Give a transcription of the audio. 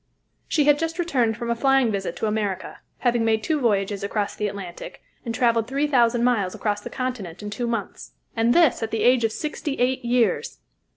She had just returned from a flying visit to America; having made two voyages across the Atlantic and traveled three thousand miles across the continent in two months, and this at the age of sixty eight years.